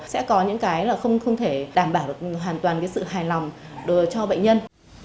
sẽ có những cái là không thể đảm bảo được hoàn toàn cái sự hài lòng cho bệnh nhân